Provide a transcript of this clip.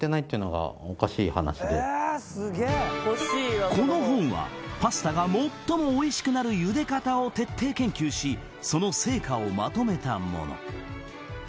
意外にそれをこの本はパスタが最もおいしくなるゆで方を徹底研究しその成果をまとめたもの